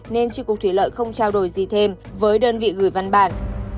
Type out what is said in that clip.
nên tri cục thủy lợi không trao đổi gì thêm với đơn vị gửi văn bản